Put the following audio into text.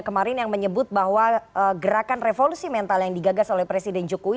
kemarin yang menyebut bahwa gerakan revolusi mental yang digagas oleh presiden jokowi